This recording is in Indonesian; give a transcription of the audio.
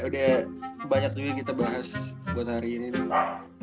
udah banyak juga yang kita bahas buat hari ini nih